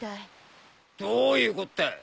どういうこったい？